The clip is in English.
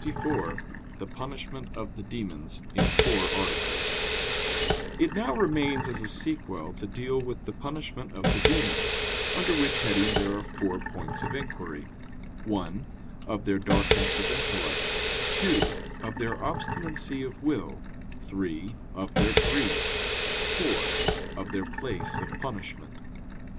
_______________________ QUESTION 64 THE PUNISHMENT OF THE DEMONS (In Four Articles) It now remains as a sequel to deal with the punishment of the demons; under which heading there are four points of inquiry: (1) Of their darkness of intellect; (2) Of their obstinacy of will; (3) Of their grief; (4) Of their place of punishment.